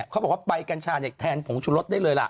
เขาบอกว่าใบกัญชาเนี่ยแทนผงชุรสได้เลยล่ะ